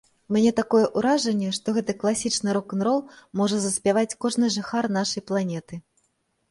У мяне такое ўражанне, што гэты класічны рок-н-рол можа заспяваць кожны жыхар нашай планеты.